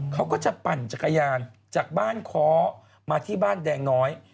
เขาก็จะปั่นจักรยานจากบ้านค้อมาที่บ้านแดงน้อย